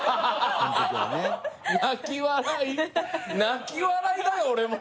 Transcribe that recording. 泣き笑いだよ俺も！